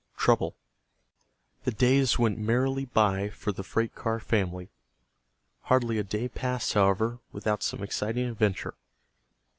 TROUBLE The days went merrily by for the freight car family. Hardly a day passed, however, without some exciting adventure.